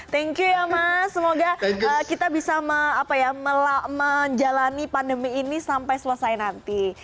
thank you ya mas semoga kita bisa menjalani pandemi ini sampai selesai nanti